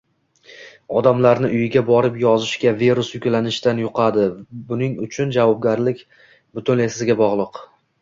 odamlarni uyiga borib yozishga virus yuklanishidan yuqadi, buning uchun javobgarlik butunlay sizga bog'liq